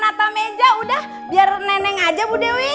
nata meja udah biar neneng aja bu dewi